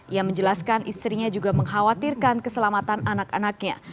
ia menjelaskan istrinya juga mengkhawatirkan keselamatan anak anaknya